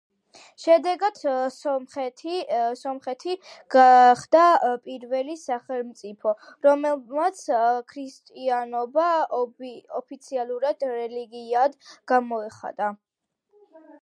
შედეგად სომხეთი გახდა პირველი სახელმწიფო, რომელმაც ქრისტიანობა ოფიციალურ რელიგიად გამოაცხადა.